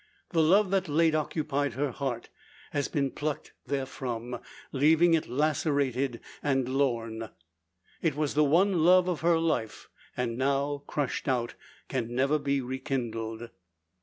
The love that late occupied her heart has been plucked therefrom, leaving it lacerated, and lorn. It was the one love of her life, and now crushed out, can never be rekindled.